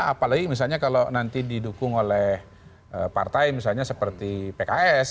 apalagi misalnya kalau nanti didukung oleh partai misalnya seperti pks